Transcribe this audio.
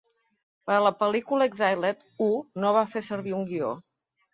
Per a la pel·lícula "Exiled", Ho no va fer servir un guió.